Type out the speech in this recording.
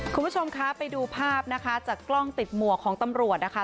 คุณผู้ชมคะไปดูภาพนะคะจากกล้องติดหมวกของตำรวจนะคะ